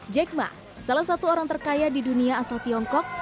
jack ma salah satu orang terkaya di dunia asal tiongkok